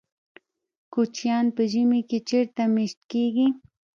کوچیان په ژمي کې چیرته میشت کیږي؟